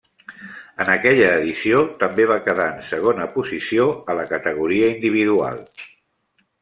En aquella edició també va quedar en segona posició a la categoria individual.